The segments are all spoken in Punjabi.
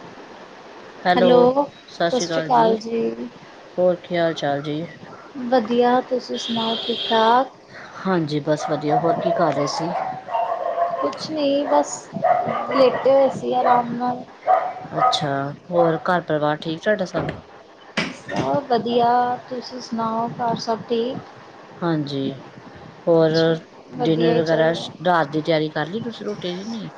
[inaudible] ਹੈਲੋ ਸ਼ ਸ਼੍ਰੀ ਕਾਲ ਜੀ, ਹੋਰ ਕੀ ਹਾਲ ਚਾਲ ਜੀ? ਵਧੀਆ ਤੁਸੀਂ ਸੁਣਾਓ ਠੀਕ ਠਾਕ? ਹਾਂਜੀ ਬਸ ਵਧੀਆ ਹੋਰ ਕੀ ਕਰ ਰੇ ਸੀ? ਕੁਛ ਨੀ ਬਸ, ਲੇਟੇ ਹੋਏ ਸੀ ਆਰਾਮ ਨਾਲ। ਅੱਛਾ, ਹੋਰ ਘਰ-ਪਰਿਵਾਰ ਠੀਕ ਤੁਹਾਡਾ ਸਭ? ਸਭ ਵਧੀਆ, ਤੁਸੀਂ ਸੁਣਾਓ, ਘਰ ਸਭ ਠੀਕ? ਹਾਂਜੀ। ਹੋਰ ਅੱਛਾ, ਵਧੀਆ ਡਿਨਰ ਹੀ ਵਗੈਰਾ, ਚਾਹੀਦਾ ਛ ਰ੍ਹਾਤ ਦੀ ਤਿਆਰੀ ਕਰ ਲਈ ਤੁਸੀਂ ਰੋਟੀ ਦੀ, ਨੀਂ?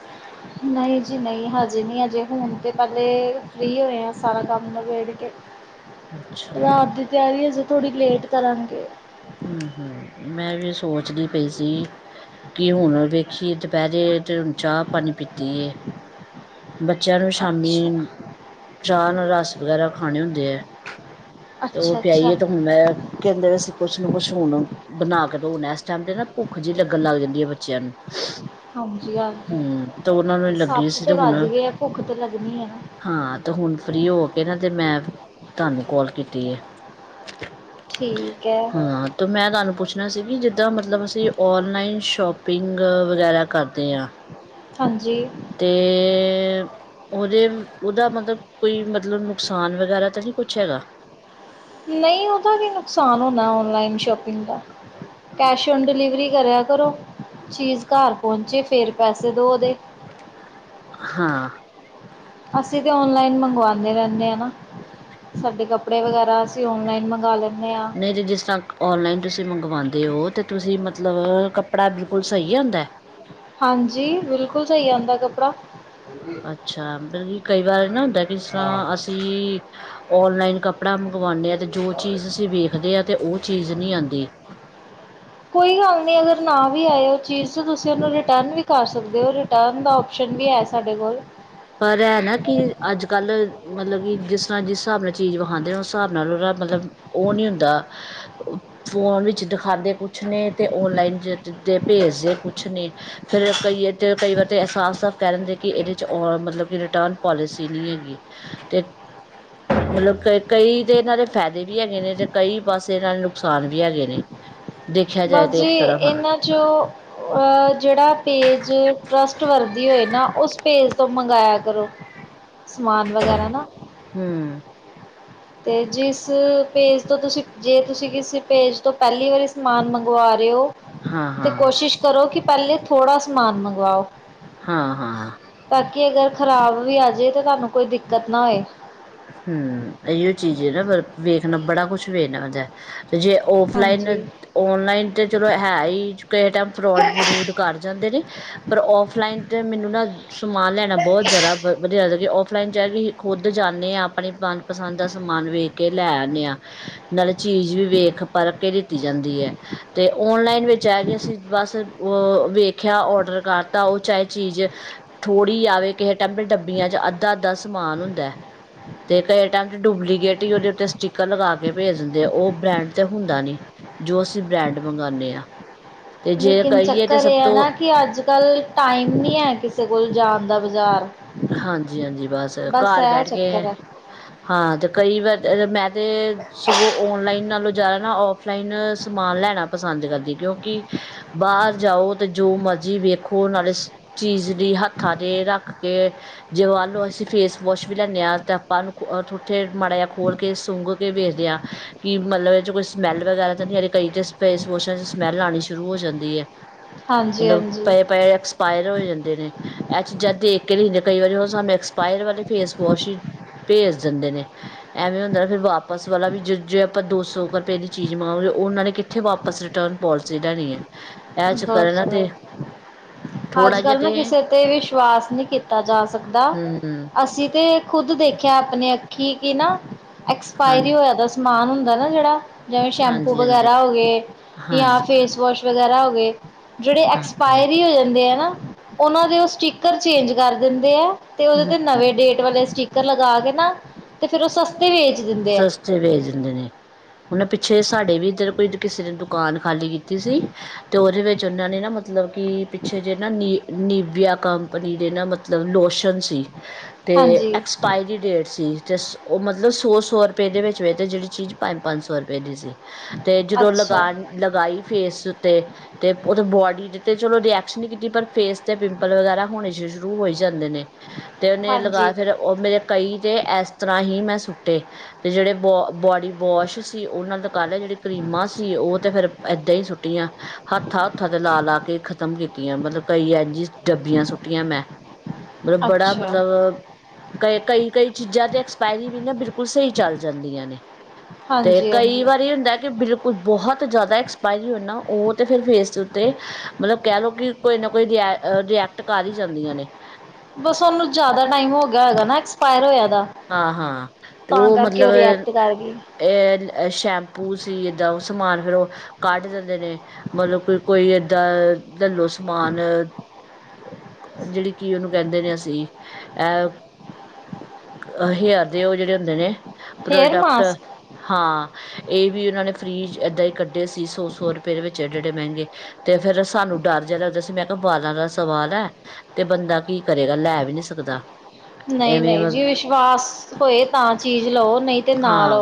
ਨਹੀਂ ਜੀ ਨਹੀਂ, ਹਜੇ ਨਹੀਂ ਅਜੇ ਹੁਣ ਤਾਂ ਪਹਿਲੇ ਫ੍ਰੀ ਹੋਏ ਆਂ, ਸਾਰਾ ਕੰਮ ਨਬੇੜਕੇ। [inaudible] ਅੱਛਾ ਰ੍ਹਾਤ ਦੀ ਤਿਆਰੀ ਅਜੇ ਥੋੜ੍ਹੀ ਲੇਟ ਕਰਾਂਗੇ। ਹੂੰ-ਹੂੰ, ਮੈਂ ਵੀ ਸੋਚਦੀ ਪਈ ਸੀ ਕੀ ਹੁਣ ਵੇਖੀਏ ਦੁਪਹਿਰੇ, ਤੇ ਹੁਣ ਚਾਹ-ਪਾਣੀ ਪੀਤੀ ਏ‌‌। ਬੱਚਿਆਂ ਨੂੰ ਅੱਛਾ ਸ਼ਾਮੀ, ਚਾਹ ਨਾਲ ਰਸ ਵਗੈਰਾ ਖਾਣੇ ਹੁੰਦੇ ਐ। ਤੇ ਉਹ ਅੱਛਾ ਅੱਛਾ ਪਿਆਈਏ, ਤੇ ਹੁਣ ਮੈਂ, ਕੈਂਦੇ ਅਸੀ ਕੁਛ ਨਾ ਕੁੱਛ ਹੁਣ, ਬਣਾਕੇ ਦੋ ਨਾ ਇਸ ਟਾਈਮ ਤੇ ਨਾ ਭੁੱਖ ਜਹੀ ਲੱਗਣ ਲੱਗ ਜਾਂਦੀ ਏ, ਬੱਚਿਆਂ ਨੂੰ। ਹਾਂਜੀ-ਹਾਂਜੀ, ਹਮ ਤੇ ਉਹਨਾਂ ਨੂੰ ਲੱਗੀ ਸੱਤ ਸੀ ਤੇ ਹੁਣ ਵੱਜ ਗਏ ਆ ਭੁੱਖ ਤੇ ਲੱਗਣੀ ਏ ਨਾ। ਹਾਂ, ਤੇ ਹੁਣ ਫ੍ਰੀ ਹੋਕੇ ਨਾ, ਤੇ ਮੈਂ ਤੁਹਾਨੂੰ ਕੋਲ ਕੀਤੀ ਏ। ਠੀਕ ਐ। ਹਾਂ ਤੇ ਮੈਂ ਤੁਹਾਨੂੰ ਪੁੱਛਣਾ ਸੀ ਵੀ, ਜਿੱਦਾਂ ਮਤਲਬ ਅਸੀਂ ਔਨਲਾਈਨ ਸ਼ੋਪਿੰਗ ਵਗੈਰਾ ਕਰਦੇ ਆਂ। ਹਾਂਜੀ। ਤੇ ਉਹਦੇ, ਉਹਦਾ ਮਤਲਬ, ਕੋਈ ਮਤਲਬ ਨੁਕਸਾਨ ਵਗੈਰਾ ਤਾਂ ਨੀ ਕੁਛ ਹੈਗਾ? ਨਹੀਂ, ਉਹਦਾ ਕੀ ਨੁਕਸਾਨ ਹੋਣਾ ਔਨਲਾਈਨ ਸ਼ੋਪਿੰਗ ਦਾ। ਕੈਸ਼ ਔਨ ਡਿਲੀਵਰੀ ਕਰਿਆ ਕਰੋ, ਚੀਜ਼ ਘਰ ਪਹੁੰਚੇ ਫਿਰ ਪੈਸੇ ਦੋ ਉਹਦੇ। ਹਾਂ। ਅਸੀਂ ਤਾਂ ਔਨਲਾਈਨ ਮੰਗਵਾਨੇ ਰਹਿੰਨੇ ਆ, ਨਾ। ਸਾਡੇ ਕੱਪੜੇ ਵਗੈਰਾ ਅਸੀਂ ਔਨਲਾਈਨ ਮੰਗਾ ਲੈਂਨੇ ਆ। ਜੇ, ਜਿਸ ਤਰ੍ਹਾਂ ਔਨਲਾਈਨ ਤੁਸੀਂ ਮੰਗਵਾਂਦੇ ਓ, ਤਾਂ ਤੁਸੀਂ ਮਤਲਬ ਕੱਪੜਾ ਬਿਲਕੁਲ ਸਹੀ ਆਂਦਾ? ਹਾਂਜੀ, ਬਿਲਕੁਲ ਸਹੀ ਆਂਦਾ ਕੱਪੜਾ। ਅੱਛਾ, ਬਲਕਿ ਕਈ ਵਾਰ ਏ ਨਾ ਹੁੰਦਾ, ਇਸ ਤਰ੍ਹਾਂ, ਅਸੀਂ ਔਨਲਾਈਨ ਕੱਪੜਾ ਮੰਗਵਾਂਨੇ ਆ, ਤੇ ਓ ਜੋ ਚੀਜ਼ ਅਸੀਂ ਵੇਖਦੇ ਆ, ਤੇ ਉਹ ਚੀਜ਼ ਨੀ ਆਂਦੀ। ਕੋਈ ਗੱਲ ਨੀ ਅਗਰ ਨਾ ਵੀ ਆਏ ਉਹ ਚੀਜ਼, ਤਾਂ ਤੁਸੀਂ ਉਹਨੂੰ ਰਿਟਰਨ ਵੀ ਕਰ ਸਕਦੇ ਓ, ਰਿ ਰਿਟਰਨ ਦਾ ਓਪਸ਼ਨ ਵੀ ਹੈ, ਸਾਡੇ ਕੋਲ। ਪਰ ਐ ਨਾ ਕਿ ਅੱਜ-ਕੱਲ, ਮਤਲਬ ਕਿ ਜਿਸ ਤਰ੍ਹਾਂ, ਜਿਸ ਹਿਸਾਬ ਨਾਲ ਚੀਜ਼ ਵਿਖਾਂਂਦੇ ਨੇ, ਉਸ ਹਿਸਾਬ ਨਾਲ ਉਹਦਾ ਮਤਲਬ ਉਹ ਨੀ ਹੁੰਦਾ। ਫੋਨ ਵਿੱਚ ਦਿਖਾਂਦੇ ਕੁਛ ਨੇ, ਤੇ ਔਨਲਾਈਨ'ਚ ਭੇਜਦੇ ਕੁਛ ਨੇ। ਫਿਰ ਕਈ ਆਰ ਤੇ, ਕਈ ਵਾਰ ਤੇ ਐ ਸਾਫ਼-ਸਾਫ਼ ਕਹਿ ਦਿੰਦੇ ਕਿ, ਇਹਦੇ'ਚ ਔਰ ਮਤਲਬ ਕਿ ਰਿਟਰਨ ਪੌਲਿਸੀ ਨਹੀਂ ਹੈਗੀ। ਮਤਲਬ ਕ, ਕਈ ਤੇ ਇਹਨਾਂ ਦੇ ਫਾਇਦੇ ਵੀ ਹੈਗੇ ਨੇ, ਤੇ ਕਈ ਬਸ ਇਹਨਾਂ ਨੇ ਨੁਕਸਾਨ ਵੀ ਹੈਗੇ ਨੇ, ਦੇਖਿਆ ਜਾਏ ਤੇ ਇੱਕ ਤਰਫ, ਹਾਂ। ਜੋ ਅ ਜਿਹੜਾ ਪੇਜ ਟਰਸਟ ਵਰਦੀ ਹੋਏ ਨਾ, ਉਸ ਪੇਜ ਤੋਂ ਮੰਗਾਇਆ ਕਰੋ। ਸਮਾਨ ਵਗੈਰਾ ਨਾ। ਹੂੰ ਤੇ ਜਿਸ, ਪੇਜ ਤੋਂ ਤੁਸੀਂ ਜੇ ਤੁਸੀਂ ਕਿਸੇ ਪੇਜ ਤੋਂ ਪਹਿਲੀ ਵਾਰੀ ਸਮਾਨ ਮੰਗਵਾ ਰਹੇ ਓ ਹਾਂ ਤੇ ਹਾਂ ਕੋਸ਼ਿਸ਼ ਕਰੋ ਕਿ, ਪਹਿਲੇ ਥੋੜ੍ਹਾ ਸਮਾਨ ਮੰਗਵਾਓ। ਹਾਂ-ਹਾਂ। ਤਾਂ ਕਿ ਅਗਰ ਖ਼ਰਾਬ ਵੀ ਆਜੇ, ਤਾਂ ਤੁਹਾਨੂੰ ਕੋਈ ਦਿੱਕਤ ਨਾ ਹੋਏ। ਹੂੰ ਇਹੀਓ ਚੀਜ਼ ਏ ਨਾ ਪਰ ਵੇਖਣਾ ਬੜਾ ਕੁਛ ਵੇਖਨਾ ਪੈਂਦਾ ਤੇ ਜੇ ਹਾਂਜੀ ਔਫਲਾਈਨ ਔਨਲਾਈਨ ਤਾਂ ਚਲੋ ਹੈ ਈ ਕਿਸੇ ਟਾਈਮ ਫਰੋਡ-ਫਰੂਡ ਕਰ ਜਾਂਦੇ ਨੇ। ਪਰ ਔਫਲਾਈਨ ਤੇ ਮੈਨੂੰ ਨਾ ਸਮਾਨ ਲੈਣਾ ਬਹੁਤ ਜ਼ਿਆਦਾ ਵਧੀਆ ਲਗਦਾ ਔਫਲਾਈਨ 'ਚ ਐ ਵੀ ਖੁਦ ਜਾਂਨੇ ਆ ਆਪਣੀ ਮਨਪਸੰਦ ਦਾ ਸਮਾਨ ਵੇਖ ਕੇ ਲੈ ਆਨੇ ਆ। ਨਾਲੇ ਚੀਜ਼ ਵੀ ਵੇਖ ਪਰਖ ਕੇ ਲਿਤੀ ਜਾਂਦੀ ਏ। ਤੇ ਔਨਲਾਈਨ ਵਿੱਚ ਐ ਕੇ ਅਸੀਂ ਬਸ ਉਹ ਵੇਖਿਆ ਔਡਰ ਕਰਤਾ ਉਹ ਚਾਹੇ ਚੀਜ਼ ਥੋੜ੍ਹੀ ਆਵੇ ਕਿਸੇ ਡੱਬੇ ਡੱਬੀਆਂ 'ਚ ਅੱਧਾ-ਅੱਧਾ ਸਮਾਨ ਹੁੰਦਾ। ਤੇ ਕਈ ਟਾਈਮ ਤੇ ਡੁਪਲੀਕੇਟ ਈ ਉਹਦੇ ਉੱਤੇ ਸਟਿਕਰ ਲਗਾ ਕੇ ਭੇਜ ਦਿੰਦੇ ਆ ਉਹ ਬ੍ਰੈਂਡ ਤੇ ਹੁੰਦਾ ਨੀ। ਜੋ ਅਸੀਂ ਬ੍ਰੈਂਡ ਮੰਗਾਨੇ ਆ, ਤੇ ਜੇ ਲੇਕਿਨ ਕਹੀਏ ਤਾਂ ਚੱਕਰ ਸਭ ਇਹ ਹੈ ਤੋਂ ਨਾ ਕਿ ਅੱਜਕੱਲ ਟਾਈਮ ਨੀ ਹੈ ਕਿਸੇ ਕੋਲ ਜਾਣ ਦਾ ਬਜ਼ਾਰ। ਹਾਂਜੀ-ਹਾਂਜੀ ਬਸ ਘਰ ਬੈਠ ਕੇ ਚੱਕਰ ਹੈ ਹਾਂ ਤੇ ਕਈ ਵਾਰ ਮੈਂ ਤੇ ਸਗੋਂ ਔਨਲਾਈਨ ਨਾਲੋਂ ਜ਼ਿਆਦਾ ਨਾ ਔਫਲਾਈਨ ਸਮਾਨ ਲੈਣਾ ਪਸੰਦ ਕਰਦੀ ਕਿਉਂਕਿ ਬਾਹਰ ਜਾਓ ਤੇ ਜੋ ਮਰਜ਼ੀ ਵੇਖੋ ਨਾਲੇ ਚੀਜ਼ ਦੀ ਹੱਥਾਂ ਤੇ ਰੱਖ ਕਿ ਜੇ ਵਾ ਲਓ ਅਸੀਂ ਫੇਸ-ਵੋਸ਼ ਵੀ ਲੇਨੇ ਆ ਤਾਂ ਆਪਾਂ ਨੂੰ ਥੋਥੇ ਮਾੜਾ ਜਾ ਖੋਲ੍ਹ ਕੇ ਸੁੰਘ ਕੇ ਵੇਖਦੇ ਆ। ਕੀ ਮਤਲਬ ਇਹ ਚੋਂ ਕੋਈ ਸਮੈੱਲ ਵਗੈਰਾ ਤਾਂ ਨੀ ਆ ਰੀ ਕਈ ਚ ਫੇਸ ਵੋਸ਼ਾਂ ਚੋਂ ਸਮੈੱਲ ਆਨੀ ਸ਼ੁਰੂ ਹੋ ਜਾਂਦੀ ਐ। ਹਾਂਜੀ ਮਤਲਬ ਹਾਂਜੀ ਪਏ-ਪਏ ਐਕਸਪਾਇਰ ਹੋ ਜਾਂਦੇ ਨੇ, ਐ ਚੀਜਾ ਦੇਖ [unintelligible] ਕਈ ਵਾਰੀ ਉਹ ਸਾਨੂੰ ਐਕਸਪਾਇਰ ਵਾਲੇ ਫੇਸ ਵੋਸ਼ ਈ, ਭੇਜ ਦਿੰਦੇ ਨੇ। ਐਵੇਂ ਹੁੰਦਾ ਫਿਰ ਵਾਪਸ ਵਾਲਾ ਵੀ ਜ ਜੇ ਆਪਾਂ ਦੋ ਸੌ ਕੁ ਰੁਪਏ ਦੀ ਚੀਜ਼ ਮਾਗਲੋ ਉਹ ਉਹਨਾਂ ਨੇ ਕਿੱਥੇ ਵਾਪਸ [unintelligible] ਏਹ ਚੱਕਰ ਬਸ ਐਨਾ ਤੇ, ਬਸ ਅੱਜ ਥੋੜਾ ਜਾ ਕੱਲ੍ਹ ਨਾ ਤੇ ਕਿਸੇ ਤੇ ਵਿਸ਼ਵਾਸ ਨੀ ਕੀਤਾ ਜਾ ਸਕਦਾ, ਹੂੰ ਅਸੀ ਤੇ ਖੁਦ ਦੇਖਿਆ ਆਪਣੇ ਅੱਖੀ ਕਿ ਨਾ ਐਕਸਪਾਇਰੀ ਹਾਂਜੀ। ਹੋਇਆ ਦਾ ਸਮਾਨ ਹੁੰਦਾ ਨਾ ਜਿਹੜਾ ਜਿਮੇ ਸ਼ੈਂਪੂ ਹਾਂਜੀ-ਹਾਂਜੀ, ਵਗੈਰਾ ਹੋਗੇ ਜਾਂ ਫੇਸ ਵੋਸ਼ ਵਗੈਰਾ ਹੋਗੇ ਜਿਹੜੇ ਹਾਂਜੀ-ਹਾਂਜੀ। ਐਕਸਪਾਇਰੀ ਹੋ ਜਾਂਦੇ ਐ ਨਾ ਉਹਨਾ ਦੇ ਉਹ ਸਟੀਕਰ ਚੇਂਜ ਕਰ ਦਿੰਦੇ ਐ। ਤੇ ਉਹਦੇ ਤੇ ਹੂੰ ਨਵੇਂ ਡੇਟ ਵਾਲੇ ਸਟੀਕਰ ਲਗਾ ਕੇ ਨਾ, ਤੇ ਫਿਰ ਉਹ ਸਸਤੇ ਵੇਚ ਦਿੰਦੇ ਆ। ਵੇਚ ਦਿੰਦੇ ਨੇ। ਹੁਣ ਪਿੱਛੇ ਸਾਡੇ ਵੀ ਇੱਧਰ ਕੋਈ ਕਿਸੇ ਨੇ ਦੁਕਾਨ ਖਾਲੀ ਕੀਤੀ ਸੀ। ਤੇ ਉਹਦੇ ਵਿੱਚ ਉਹਨਾ ਨੇ ਨਾ ਮਤਲਬ ਕਿ ਕਿ ਪਿੱਛੇ ਜੇ ਨਾ ਨੀ ਨਿਵਿਆ ਕੰਪਨੀ ਦੇ ਨਾ ਮਤਲਬ ਲੋਸ਼ਨ ਸੀ। ਤੇ ਹਾਂਜੀ ਐਕਸਪਾਇਰੀ ਡੇਟ ਸੀ ਤੇ ਉਹ ਮਤਲਬ ਸੋ-ਸੋ ਰੁਪਏ ਦੇ ਵਿੱਚ ਵੇਚ ਤੇ ਜਿਹੜੇ ਚੀਜ਼ ਪੰਜ-ਪੰਜ ਸੌ ਰੁਪਏ ਦੀ ਸੀ, ਤੇ ਜਦੋਂ ਅੱਛਾ ਲਗਾ ਲਗਾਈ ਫੇਸ ਉੱਤੇ ਤੇ ਉਹਦੇ ਬੋਡੀ ਦੇ ਤੇ ਚਲੋ ਰਿਐਕਸ਼ਨ ਈ ਕੀਤੀ ਪਰ ਫੇਸ ਤੇ ਪਿੰਪਲ ਵਗੈਰਾ ਹੋਣੇ ਸ਼ੁਰੂ ਹੋਈ ਜਾਂਦੇ ਨੇ। ਤੇ ਉਹਨੇ ਲਗਾ ਹਾਂਜੀ ਫਿਰ ਉਹ ਮੇਰੇ ਕਈ ਤੇ ਐਸ ਤਰਾਂ ਹੀ ਮੈਂ ਸੁੱਟੇ। ਤੇ ਜਿਹੜੇ ਬ ਬੋਡੀ ਵੋਸ਼ ਸੀ ਉਹ [unintelligible] ਤੇ ਜਿਹੜੇ ਕਰੀਮਾਂ ਸੀ ਸੀ ਉਂਹ ਤੇ ਫਿਰ ਏਦਾ ਈ ਸੁੱਟੀਆਂ। ਹੱਥਾਂ-ਹੱਥਾਂ ਤੇ ਲਾ-ਲਾ ਕੇ ਖ਼ਤਮ ਕੀਤੀਆਂ ਮਤਲਬ ਕਈ ਇੰਝ ਈ ਡੱਬੀਆਂ ਸੁੱਟੀਆਂ ਮੈਂ। ਬੜਾ ਅੱਛਾ ਮਤਲਬ, ਕ ਕਈ-ਕਈ ਚੀਜ਼ਾਂ ਤੇ ਐਕਸਪਾਇਰੀ ਵੀ ਨਾ ਬਿਲ ਕੁ ਸਈ ਚਲ ਜਾਂਦੀਆਂ ਨੇ, ਤੇ ਹਾਂਜੀ ਕਈ ਹਾਂਜੀ ਵਾਰੀ ਹੁੰਦਾ ਕੇ ਬਿਲ ਕੁਲ ਬਹੁਤ ਜਾਦਾ ਐਕਸਪਾਇਰੀ ਹੋ ਜਾਣ ਨਾ ਉਹ ਤਾਂ ਫਿਰ ਫੇਸ ਦੇ ਉੱਤੇ ਮਤਲਬ ਕਹਿ ਲੋ ਕਿ ਕੋਈ ਨਾ ਕੋਈ ਰਿਐਕਟ ਕਰ ਈ ਜਾਂਦੀਆਂ ਨੇ। ਬਸ ਉਹਨੂੰ ਜਿਆਦਾ ਟਾਈਮ ਹੋ ਗਿਆ ਹੋਏਗਾ ਨਾ ਐਕਸਪਾਇਰ ਹੋਇਆ ਦਾ। ਹਾਂ-ਹਾਂ ਤੇ ਤਾਂ ਉਹ ਕਰਕੇ ਮਤਲਬ ਰਿਐਕਟ ਕਰ ਗਈ ਇਹ ਸ਼ੈਂਪੂ ਸੀ ਏਦਾਂ ਉਹ ਸਮਾਨ ਫਿਰ ਉਹ ਕੱਢ ਦਿੰਦੇ ਨੇ। ਮਤਲਬ ਕੋਈ ਲੇਲੋ ਸਮਾਨ ਜੇੜੀ ਕੀ ਓਨੂੰ ਕੇਂਦੇ ਨੇ ਅਸੀਂ ਅ ਆਹੀ ਆਂਦੇ ਉਹ ਜੇੜੇ ਹੁੰਦੇ ਨੇ, ਹੇਅਰ ਪ੍ਰੋਡਕਟ ਮਾਸਕ ਹਾਂ, ਇਹ ਵੀ ਓਨਾ ਨੇ ਫਰੀ ਚ ਏਦਾਂ ਈ ਕੱਢੇ ਸੀ ਸੋ - ਸੋ ਰੁਪੈ ਦੇ ਵਿੱਚ ਏਡੇ- ਏਡੇ ਮੈਂਗੇ। ਤੇ ਫੇਰ ਸਾਨੂੰ ਡਰ ਜਾ ਲਗਦਾ ਸੀ ਮੈਂ ਕਾ ਬਾਲਾਂ ਦਾ ਸਵਾਲ ਐ ਤੇ ਬੰਦਾ ਕੀ ਕਰੇਗਾ ਲੈ ਵੀ ਨਹੀਂ ਸਕਦਾ ਐਵੇਂ ਨਈ-ਨਈ ਜੀ ਵਿਸ਼ਵਾਸ ਹੋਏ ਤਾਂ ਚੀਜ਼ ਲਓ ਨਈ ਹਾਂ।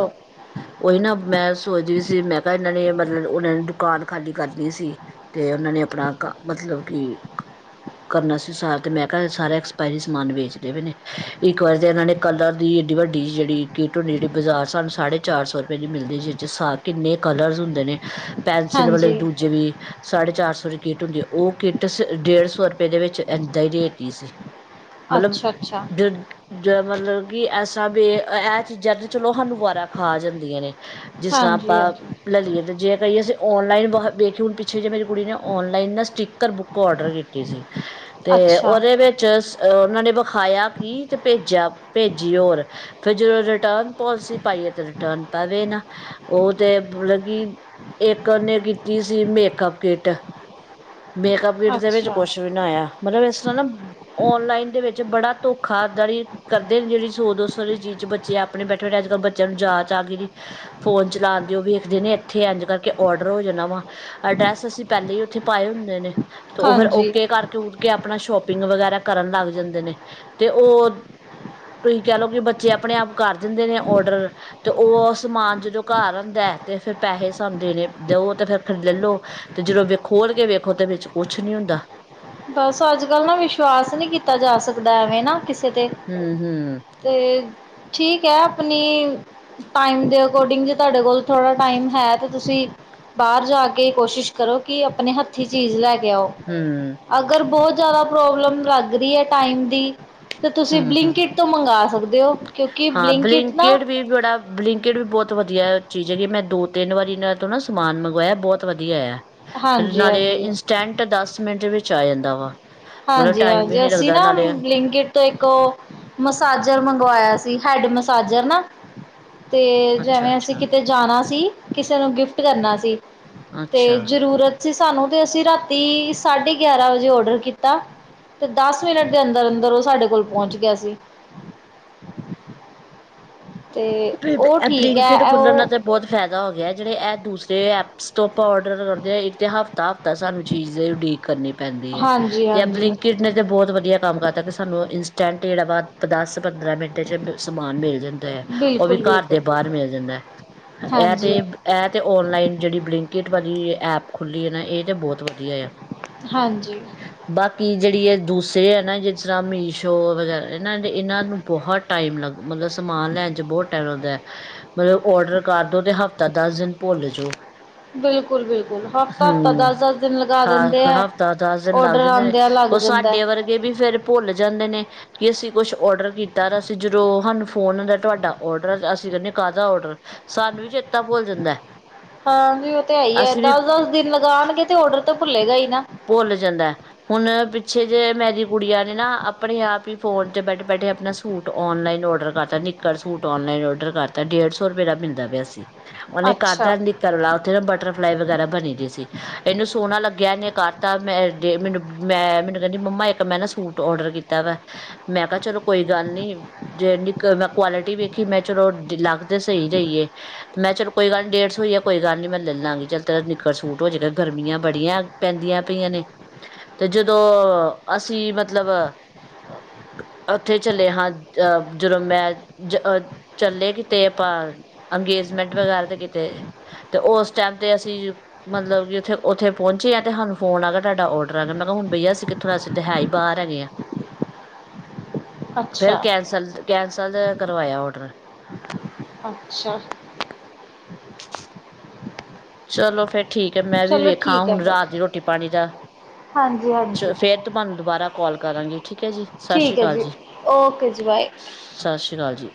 ਉਹੀ ਨਾ ਮੈਂ ਸੋਚਦੀ ਸੀ ਮੈਂ ਕਿਆ ਏਨਾ ਨੇ ਮਤਲਬ ਓਨਾਂ ਨੇ ਦੁਕਾਨ ਖਾਲੀ ਕਰਨੀ ਸੀ। ਤੇ ਓਨਾ ਨੇ ਆਪਣਾ ਕ ਮਤਲਬ ਕਿ ਕਰਨਾ ਸੀ ਸਾਰ ਤੇ ਮੈਂ ਕਿਆ ਸਾਰਾ ਐਕਸਪਾਇਰੀ ਸਮਾਨ ਵੇਚ ਰੇਵੇ ਨੇ, ਇੱਕ ਵਾਰ ਤਾਂ ਏਨਾਂ ਨੇ ਕਲਰ ਦੀ ਐਡੀ ਵੱਡੀ ਜੇੜੀ ਕਿੱਟ ਹੁੰਦੀ, ਜੇੜੀ ਬਾਜ਼ਾਰ ਸਾਨੂੰ ਸਾਢੇ- ਚਾਰ ਸੌ ਰੁਪੈ ਦੀ ਮਿਲਦੀ ਜੀ ਚ ਸਾ ਕਿੰਨੇ ਕਲਰਜ ਹੁੰਦੇ ਨੇ। ਪੈਨਸਿਲ ਵਾਲੇ ਵੀ ਹਾਂਜੀ ਦੂਜੇ ਵੀ ਸਾਢੇ ਚਾਰ ਸੌ ਦੀ ਕਿੱਟ ਹੁੰਦੀ ਐ, ਉਹ ਕਿੱਟ ਡੇਢ ਸੌ ਦੇ ਵਿੱਚ ਐਦਾਂ ਈ ਦੇਤੀ ਸੀ, ਮਤਲਬ ਅੱਛਾ ਅੱਛਾ ਮਲਬ ਕਿ ਐਸਾ ਬੇ ਐ ਚੀਜ਼ਾਂ ਤੇ ਚਲੋ ਹਾਨੂੰ ਵਾਰਾਂ ਖਾ ਜਾਂਦੀਆਂ ਨੇ। ਜਿਸ ਨਾ ਹਾਂਜੀ ਆਪਾਂ- ਹਾਂਜੀ ਲੈਲੀਏ, ਜੇ ਕਹੀਏ ਅਸੀਂ ਔਨਲਾਈਨ ਵਖ ਵੇਖੀ ਹੁਣ ਪਿੱਛੇ ਜੇ ਮੇਰੀ ਕੁੜੀ ਨੇ ਔਨਲਾਈਨ ਨਾ ਸਟਕਰ ਬੁੱ ਕ ਓਡਰ ਕੀਤੀ ਸੀ ਤੇ ਅੱਛਾ ਓਦੇ ਵਿੱਚ ਓਨਾ ਨੇ ਵਖਾਇਆ ਕੀ ਤੇ ਭੇਜਿਆ ਭੇਜੀ ਓਰ, ਫਿਰ ਜਦੋਂ ਰਿਟਰਨ ਪੋਲਸੀ ਪਾਈ ਏ ਤੇ ਰਿਟਰਨ ਪਵੇ ਨਾ। ਉਹ ਤੇ ਮਤਲਬ ਕਿ ਇੱਕ ਉਹਨੇ ਕੀਤੀ ਸੀ ਮੇਕਅੱਪ ਕਿੱਟ। ਮੇਕਅਪ ਕਿੱਟ ਦੇ ਵਿੱਚ ਅੱਛਾ ਕੁਛ ਵੀ ਨਾ ਆਇਆ, ਮਤਲਬ ਇਸ ਤਰ੍ਹਾਂ ਨਾ ਔਨਲਾਈਨ ਦੇ ਵਿੱਚ ਬੜਾ ਧੋਖਾਦਾਰੀ ਕਰਦੇ ਨੇ ਜਿਹੜੀ ਸੌ ਦੋ ਸੌ ਚੀਜ਼ ਚ ਬੱਚੇ ਆਪਣੇ ਬੈਠੇ- ਬੈਠੇ ਅੱਜ-ਕੱਲ ਬੱਚਿਆਂ ਨੂੰ ਜਾਂਚ ਆ ਗਈ। ਫੋਨ ਚਲਾਣ ਦਿਓ ਵੀ ਵੇਖਦੇ ਨੇ ਇੱਥੇ ਇੰਝ ਕਰਕੇ ਔਡਰ ਹੋ ਜਾਣਾ ਵਾ। ਅਡਰੈਸ ਅਸੀਂ ਪਹਿਲਾਂ ਈ ਉੱਥੇ ਪਾਏ ਹੁੰਦੇ ਨੇ। ਫਿਰ ਹਾਂਜੀ ਓਕੇ ਕਰਕੇ ਕੁਰਕੇ ਆਪਣਾ ਸ਼ੋਪਿੰਗ ਵਗੈਰਾ ਕਰਨ ਲੱਗ ਜਾਂਦੇ ਨੇ ਤੇ ਉਹ- ਤੁਹੀ ਕਹਿ ਲਓ ਕਿ ਬੱਚੇ ਆਪਣੇ -ਆਪ ਕਰ ਦਿੰਦੇ ਨੇ ਔਡਰ ਤੇ ਉਹ ਸਮਾਨ ਜਦੋਂ ਘਰ ਆਂਦਾ ਤੇ ਫਰ ਪੈਸੇ ਸਾਨੂੰ ਦੇਣੇ ਦਓ ਤੇ ਫਿਰ ਲੈਲੋ। ਤੇ ਜਦੋਂ ਵ ਖੋਲ ਕੇ ਵੇਖੋ ਤੇ ਵਿੱਚ ਕੁਛ ਨੀ ਹੁੰਦਾ। ਬਸ ਅੱਜ-ਕੱਲ ਨਾ ਵਿਸ਼ਵਾਸ ਨੀ ਕੀਤਾ ਜਾ ਸਕਦਾ ਐਵੇਂ ਨਾ ਕਿਸੇ ਤੇ। ਹਮ ਹਮ। ਤੇ ਠੀਕ ਐ ਆਪਣੀ ਟਾਈਮ ਦੇ ਅਕੋਡਿੰਗ ਜੇ ਤੁਹਾਡੇ ਕੋਲ ਥੋੜਾ ਟਾਇਮ ਹੈ ਤੇ ਤੁਸੀਂ ਬਾਹਰ ਜਾ ਕੇ ਕੋਸ਼ਿਸ਼ ਕਰੋ ਕਿ ਆਪਣੇ ਹੱਥੀਂ ਚੀਜ਼ ਲੈ ਕੇ ਆਓ। ਹਮ। ਅਗਰ ਬਹੁਤ ਜ਼ਿਆਦਾ ਪ੍ਰੋਬਲਮ ਲੱਗ ਰਹੀ ਐ ਟਾਈਮ ਦੀ ਤੇ ਤੁਸੀਂ ਹੂੰ ਹੂੰ ਬਲਿੰਕਟ ਤੋਂ ਮੰਗਾ ਸਕਦੇ ਔ, ਕਿਉਂਕਿ ਹਾਂ ਬਲਿੰਕਟ ਨਾ ਵੀ ਬੜਾ ਬਲਿੰਕਡ ਵੀ ਬਹੁਤ ਵਧੀਆ ਚੀਜ਼ ਹੈਗੀ, ਮੈਂ ਦੋ- ਤਿੰਨ ਵਾਰੀ ਇਹਨਾਂ ਤੋਂ ਨਾ ਸਮਾਨ ਮੰਗਵਾਇਆ ਬਹੁਤ ਵਧੀਆ ਆਇਆ। ਤੇ ਹਾਂਜੀ ਨਾਲੇ ਹਾਂਜੀ ਇੰਸਟੈਂਟ ਦਸ- ਮਿੰਟ ਵਿੱਚ ਆ ਜਾਂਦਾ ਵਾ। ਮਤਲਬ ਟਾਈਮ ਵੀ ਹਾਂਜੀ-ਹਾਂਜੀ, ਨਹੀਂ ਅਸੀਂ ਲੱਗਦਾ ਨਾ ਨਾਲੇ ਬਲਿੰਕਟ ਤੋਂ ਇੱਕ ਓ ਮਸਾਜਰ ਮੰਗਾਇਆ ਸੀ, ਹੈਡ ਮਸਾਜਰ ਨਾ। ਤੇ ਅੱਛਾ ਜਿਵੇਂ ਅਸੀਂ ਅੱਛਾ ਕਿਤੇ ਜਾਣਾ ਸੀ, ਕਿਸੇ ਨੂੰ ਗਿਫਟ ਕਰਨਾ ਸੀ। 'ਤੇ ਅੱਛਾ ਜਰੂਰਤ ਸੀ ਸਾਨੂੰ ਤੇ ਅਸੀਂ ਰਾਤੀ ਸਾਢੇ ਗਿਆਰਾਂ ਵਜੇ ਔਡਰ ਕੀ ਕੀਤਾ ਤੇ ਦਸ ਮਿੰਟ ਦੇ ਅੰਦਰ-ਅੰਦਰ ਉਹ ਸਾਡੇ ਕੋਲ ਪਹੁੰਚ ਗਿਆ ਸੀ। ਤੇ ਬੇ ਬ ਉਹ ਐਹ ਠੀਕ ਬਲਿੰਕਟ ਹੈ ਖੁੱਲਣ ਨਾਲ ਉਹ ਤੇ ਬੋਤ ਫੈਦਾ ਹੋ ਗਿਆ, ਜੇੜੇ ਐਹ ਦੂਸਰੇ ਐਪਸ ਤੋਂ ਆਪਾਂ ਔਡਰ ਕਰਦੇ ਆ ਇੱਕ ਤੇ ਹਫ ਹਫ਼ਤਾ-ਹਫ਼ਤਾ ਸਾਨੂੰ ਚੀਜ਼ ਲ‌ਈ ਉਡੀਕ ਕਰਨੀ ਪੈਂਦੀ ਐ, ਹਾਂਜੀ ਤੇ ਐ ਹਾਂਜੀ ਬਲਿੰਕਟ ਨੇ ਤੇ ਬੋਤ ਵਧੀਆ ਕੰਮ ਕਰਤਾ ਕਿ ਸਾਨੂੰ ਇੰਨਸਟੈਂਟ ਜੇੜਾ ਵਾ ਦਸ-ਪੰਦਰਾਂ ਮਿੰਟ ਚ ਸਮਾਨ ਮਿਲ ਜਾਂਦਾ ਐ। ਓ ਵੀ ਬਿਲਕੁਲ, ਬਿਲਕੁਲ। ਘਰ ਬਾਰ ਮਿਲ ਜਾਂਦਾ ਐ, ਐਹ ਹਾਂਜੀ, ਤੇ ਐਹ ਤੇ ਔਨਲਾਈਨ ਜੇੜੀ ਬਲਿੰਕਟ ਵਾਲੀ ਐਪ ਖੁੱਲੀ ਐ ਨਾ ਏ ਤੇ ਬਹੁਤ ਵਧੀ ਧੀਆ ਏ ਆ। ਹਾਂਜੀ। ਬਾਕੀ ਜੇੜੀ ਐਹ ਦੂਸਰੇ ਐ ਨਾ ਜਿਸ ਤਰਾ ਮੀਸ਼ੋ ਵਗੈਰਾ ਏਨਾਂ ਨੇ ਏਨਾਂ ਨੂੰ ਬਹੁਤ ਟਾਈਮ ਲੱਗ ਮਤਲਬ ਸਮਾਨ ਲੈਣ ਚ ਬਹੁਤ ਟਾਈਮ ਲੱਗਦਾ, ਮਤਲਬ ਔਡਰ ਕਰਦੋ ਤੇ ਹਫ਼ਤਾ-ਦਸ ਦਿਨ ਭੁੱਲ ਜੋ। ਬਿਲਕੁਲ, ਬਿਲਕੁਲ ਹਫ਼ਤਾ-ਹਫ਼ਤਾ, ਹੂੰ, ਦਸ-ਦਸ ਦਿਨ ਲਗਾ ਦਿੰਦੇ ਹਾਂ ਐ। ਹਫ਼ਤਾ-ਦਸ ਦਿਨ ਲੱਗ ਔਡਰ ਜਾਂਦੇ ਨੇ। ਆਂਦਿਆਂ ਲੱਗ ਓ ਜਾਂਦਾ। ਸਾਡੇ ਵਰਗੇ ਵੀ ਫੇਰ ਭੁੱਲ ਜਾਂਦੇ ਨੇ। ਕਿ ਅਸੀਂ ਕੁਛ ਔਡਰ ਕੀਤਾ ਤਾਂ ਅਸੀਂ ਜਦੋਂ ਹਾਨੂੰ ਫੋਨ ਹੁੰਦਾ ਤੁਹਾਡਾ। ਔਡਰ ਅਸੀਂ ਕਹਿਨੇ ਆ ਕਾਦਾ ਔਡਰ, ਸਾਨੂੰ ਵੀ ਚੇ ਹਾਂ, ਨ‌ਈ ਓ ਤੇ ਹੈ ਹੀ ਐ ਅਸੀਂ ਵੀ ਦਸ-ਦਸ ਦਿਨ ਲਗਾਣਗੇ ਤੇ ਓਡਰ ਤਾਂ ਭੁੱਲੇਗਾ ਈ ਨਾ। ਭੁੱਲ ਜਾਂਦੈ। ਹੁਣ ਪਿੱਛੇ ਜੇ ਮੇਰੀ ਗੁਡੀਆ ਨੇ ਨਾ ਆਪਣੇ ਆਪ ਹੀ ਫੋਨ ਤੇ ਬੈਠੇ-ਬੈਠੇ ਅਪਣਾ ਸੂਟ ਔਨਲਾਈਨ ਔਡਰ ਕਰਤਾ ਨਿੱਕਰ ਸੂਟ ਔਨਲਾਈਨ ਔਡਰ ਕਰਤਾ ਡੇਢ ਸੌ ਰੁਪਏ ਦਾ ਮਿਲਦਾ ਪਿਆ ਸੀ। ਓਨੇ ਘਰ ਅੱਛਾ, ਦਿਆਂ ਦੀ ਕਰ ਲਾ ਓਤੇ ਨਾ ਬਟਰਫਲਾਈ ਵਗੈਰਾ ਬਣੇ ਦੇ ਸੀ, ਏਨੂੰ ਸੋਹਣਾ ਲੱਗਿਆ ਏਨੇ ਕਰ ਤਾ ਮੈਂ ਮੈਨੂੰ ਮੈਂ ਮੈਨੂੰ ਕਹਿੰਦੀ ਮੰਮਾ ਇੱਕ ਮੈਂ ਨਾ ਸੂਟ ਔਡਰ ਕੀਤਾ ਵਾ। ਮੈਂ ਕਿਹਾ ਚਲੋ ਕੋਈ ਗੱਲ ਨੀ, ਜੇ ਨਿਕਲ ਦਾ ਕੁਆਲਿਟੀ ਵੇਖੀ ਮੈਂ ਚਲੋ ਡਿਲ ਤੇ ਸਹੀ ਗ‌ਈਏ। ਮੈਂ ਚਲੋ ਕੋਈ ਗੱਲ ਨੀ ਡੇਢ ਸੌ ਈ ਐ ਕੋਈ ਗੱਲ ਨੀ ਮੈਂ ਦੇ ਲਾਗੀ ਚੱਲ ਤੇਰਾ ਨਿੱਕਰ ਸੂਟ ਹੋ ਜੇਗਾ ਗਰਮੀਆਂ ਬੜੀਆਂ ਪੈਂਦੀਆਂ ਪਈਆਂ ਨੇ, ਤੇ ਜਦੋਂ ਅਸੀਂ ਮਤਲਬ ਓਥੇ ਚਲੇ ਹਾਂ ਅਹ ਜਦੋਂ ਮੈਂ ਜ ਅਹ ਚੱਲੇ ਕਿਤੇ ਆਪਾਂ ਅੰਗੇਜਮੈਂਟ ਵਗੈਰਾ ਤੇ ਕਿਤੇ ਤੇ ਓਸ ਟਾਈਮ ਤੇ ਅਸੀਂ, ਮਤਲਬ ਜਿਥੇ ਓਥੇ ਪਹੁੰਚੇ ਐਡ ਹਾਨੂੰ ਫੋਨ ਆ ਗਿਆ ਤਾਡਾ ਔਡਰ ਆ ਗਿਆ, ਮੈਂ ਕਿਹਾ ਹੁਣ ਬਈਆ ਕਿਥੋਂ [unintelligible] ਅਸੀਂ ਤਾਂ ਹੈ ਈ ਬਾਰ ਹੈਗੇ ਆ। ਫੇਰ ਅੱਛਾ, ਕੈਂਸਲ, ਕੈਂਸਲ ਕਰਵਾਇਆ ਔਡਰ। ਅੱਛਾ। ਚਲੋ ਫੇਰ ਠੀਕ ਐ, ਮੈਂ ਵੀ ਵੇਖਾਂ ਹੁਣ ਰਾਤ ਦੀ ਰੋਟੀ-ਪਾਣੀ ਦਾ। ਹਾਂਜੀ-ਹਾਂਜੀ। ਤੁਬਾਨੂੰ ਦੁਬਾਰਾ ਕਂਲ ਕਰਾਗੀ, ਠੀਕ ਐ ਜੀ। ਸਤਿ ਸ਼੍ਰੀ ਠੀਕ ਐ ਅਕਾਲ ਜੀ, ਓਕੇ ਜੀ ਬਾਏ। ਸਤਿ ਸ਼੍ਰੀ ਕਾਲ ਜੀ।